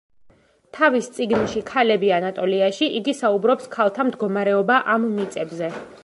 თავის წიგნში „ქალები ანატოლიაში“, იგი საუბრობს ქალთა მდგომარეობა ამ მიწებზე.